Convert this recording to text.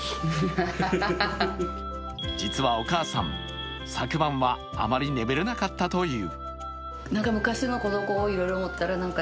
実はお母さん、昨晩はあまり眠れなかったという。